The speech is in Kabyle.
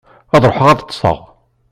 Ad ṛuḥeɣ ad ṭṭseɣ.